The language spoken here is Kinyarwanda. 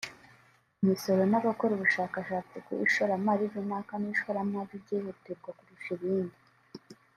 imisoro n’abakora ubushakashatsi ku ishoramari runaka n’ishoramari ryihutirwa kurusha ibindi